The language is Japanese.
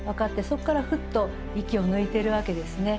そこからフッと息を抜いてるわけですね。